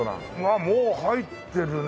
あっもう入ってるね。